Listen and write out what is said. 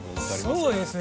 そうですね。